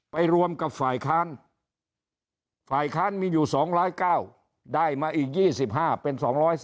รวมกับฝ่ายค้านฝ่ายค้านมีอยู่๒๐๙ได้มาอีก๒๕เป็น๒๔